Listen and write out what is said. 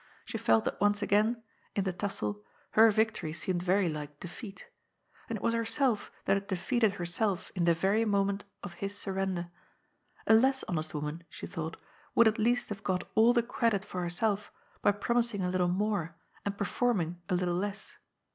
She felt that once again, in the tussle, her victory seemed very like defeat. And it was her self that had defeated herself in the very moment of his surrender. A less honest woman, she thought, would at least have got all the credit for herself by promising a little more and performing a little less.